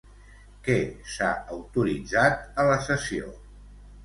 Què s'ha autoritzat a la sessió?